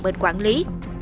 bên quản lý